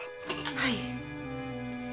はい。